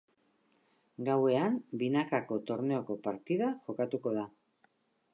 Gauean binakako torneoko partida jokatuko da.